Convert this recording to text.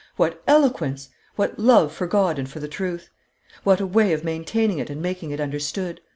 What eloquence! What love for God and for the truth! What a way of maintaining it and making it understood!